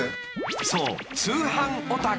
［そう］